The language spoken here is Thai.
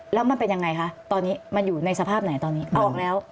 แล้วมันเป็นยังไงคะตอนนี้มันอยู่ในสภาพไหนตอนนี้ออกแล้ว